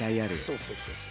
そうそうそうそう。